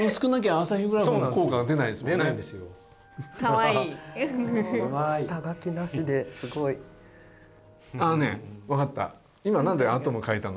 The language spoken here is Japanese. あのねわかった！